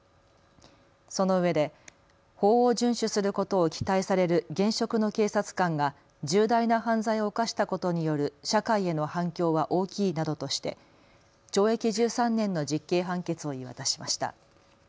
そのうえで法を順守することを期待される現職の警察官が重大な犯罪を犯したことによる社会への反響は大きいなどとして懲役１３年の実刑判決を言い渡しました。